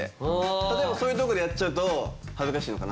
例えばそういうとこでやっちゃうと恥ずかしいのかな。